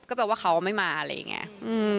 ก็แปลว่าเขาไม่มาอะไรอย่างนี้